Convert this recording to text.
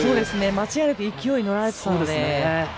間違いなく勢いに乗られていたので。